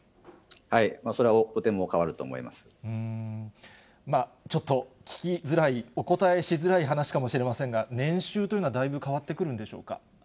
それはとても変わると思いまちょっと、聞きづらい、お答えしづらい話かもしれませんが、年収というのはだいぶ変わってくるんでしょうか。